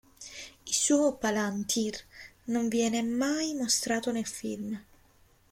Il suo palantír non viene mai mostrato nel film.